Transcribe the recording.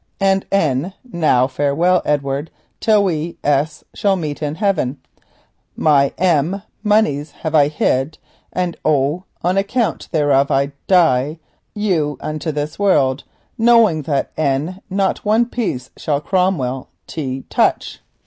And now farewell, Edward, till we a n shall meet in heaven. My moneys have I hid, and on account thereof s m o I die unto this world, knowing that not one piece shall Cromwell u n touch.